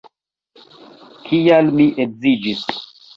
Kial mi edziĝis?